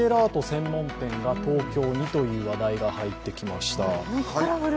専門店が東京にという話題が入ってきました。